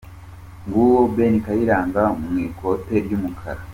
Nguwo Ben Kayiranga mu ikote ry'umukara.